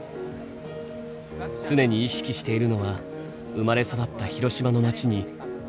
常に意識しているのは生まれ育った広島の街に深く刻まれた記憶です。